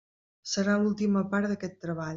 Serà l'última part d'aquest treball.